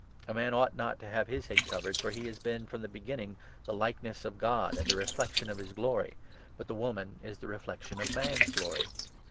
A man ought not to have his head 7 covered, for he has been from the beginning ' the likeness of God ' and the reflection of his glory, but woman is the reflection of man's glory.